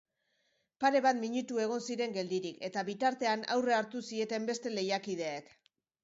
Pare bat minutu egon ziren geldirik eta bitartean aurre hartu zieten beste lehiakideek.